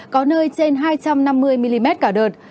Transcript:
có nơi trên hai trăm năm mươi mm cả đợt